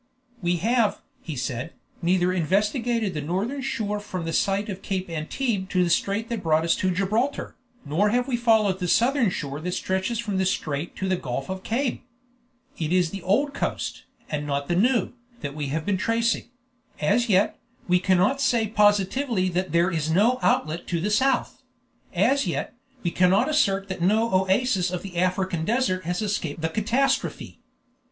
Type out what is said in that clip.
"We have," he said, "neither investigated the northern shore from the site of Cape Antibes to the strait that brought us to Gibraltar, nor have we followed the southern shore that stretches from the strait to the Gulf of Cabes. It is the old coast, and not the new, that we have been tracing; as yet, we cannot say positively that there is no outlet to the south; as yet, we cannot assert that no oasis of the African desert has escaped the catastrophe.